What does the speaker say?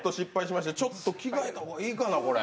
ちょっと着替えた方がいいかな。